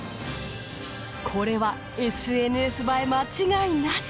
これはＳＮＳ映え間違いなし！